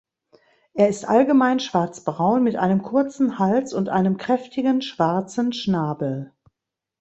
Er ist allgemein schwarzbraun mit einem kurzen Hals und einem kräftigen schwarzen Schnabel.